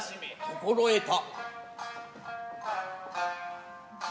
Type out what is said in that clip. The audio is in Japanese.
心得た。